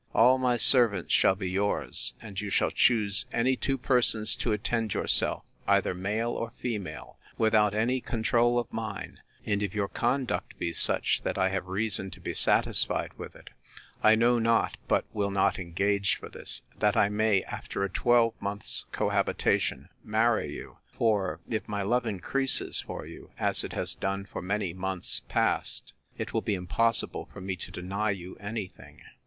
All my servants shall be yours; and you shall choose any two persons to attend yourself, either male or female, without any control of mine: and if your conduct be such, that I have reason to be satisfied with it, I know not (but will not engage for this) that I may, after a twelvemonth's cohabitation, marry you; for, if my love increases for you, as it has done for many months past, it will be impossible for me to deny you any thing.